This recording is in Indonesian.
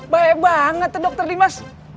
baik banget dokter dimas